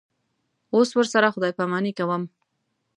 اوس ورسره خدای پاماني کوم.